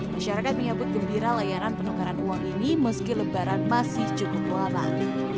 masyarakat menyambut gembira layanan penukaran uang ini meski lebaran masih cukup lama